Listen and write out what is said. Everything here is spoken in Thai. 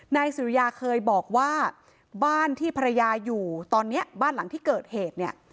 นายสุริยาเคยบอกว่าบ้านที่ภรรยาอยู่ตอนนี้บ้านหลังที่เกิดเหตุเนี่ย